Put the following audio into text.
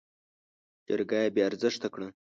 جرګه يې بې ارزښته کړه.